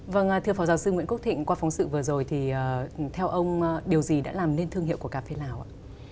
vâng thưa phó giáo sư nguyễn quốc thịnh qua phóng sự vừa rồi thì theo ông điều gì đã làm nên thương hiệu của cà phê nào ạ